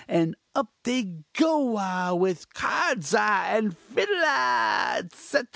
and up they go ah! with cards ah! and fiddle ah!" etc.